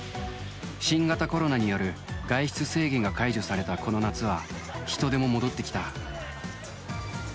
新型コロナによる外出制限が解除されたこの夏は人出も戻って来た。